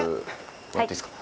もらっていいですか。